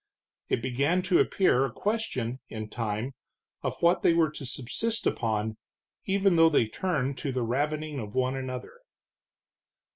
It began to appear a question, in time, of what they were to subsist upon, even though they turned to the ravening of one another.